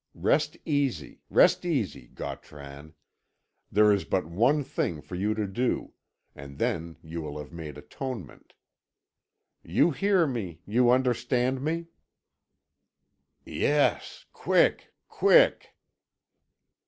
Rest easy, rest easy, Gautran. There is but one thing for you to do and then you will have made atonement. You hear me you understand me?" "Yes quick quick!"